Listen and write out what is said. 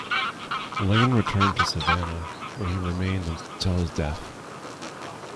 Lane returned to Savannah, where he remained until his death.